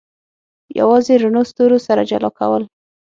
یوازې رڼو ستورو سره جلا کول.